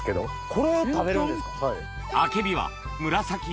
これを食べるんですか？